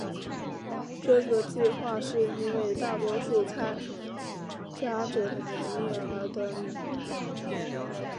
这个计画是因为大多数参加者的年龄而得名。